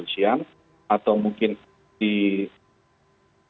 dari bagian pengejar